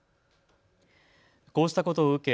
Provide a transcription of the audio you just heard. こうしたことを受け